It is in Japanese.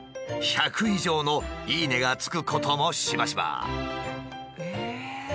１００以上の「いいね！」がつくこともしばしば。